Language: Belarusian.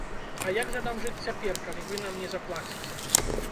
А як жа нам жыць цяпер, калі вы нам не заплаціце?